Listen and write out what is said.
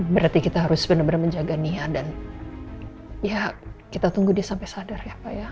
berarti kita harus benar benar menjaga niat dan ya kita tunggu dia sampai sadar ya pak ya